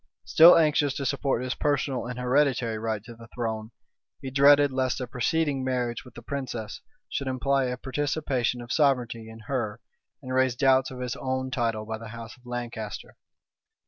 Still anxious to support his personal and hereditary right to the throne, he dreaded lest a preceding marriage with the princess should imply a participation of sovereignty in her, and raise doubts of his own title by the house of Lancaster.